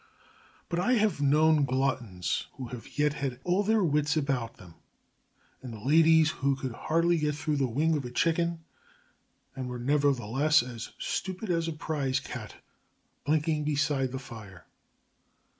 But I have known gluttons who have yet had all their wits about them and ladies who could hardly get through the wing of a chicken and were nevertheless as stupid as a prize cat blinking beside the fire.